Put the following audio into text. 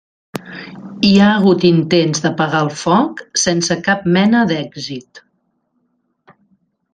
Hi ha hagut intents d'apagar el foc sense cap mena d'èxit.